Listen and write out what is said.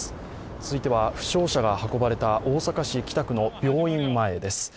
続いては負傷者が運ばれた大阪市北区の病院前です。